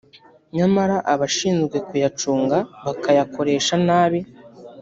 nyamara abashinzwe kuyacunga bakayakoresha nabi